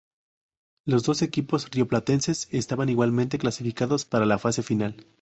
Los dos equipos rioplatenses estaban igualmente clasificados para la fase final.